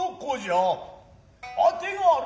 あてがある。